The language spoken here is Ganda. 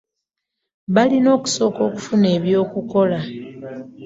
Balina okusooka okufuna eby'okukola.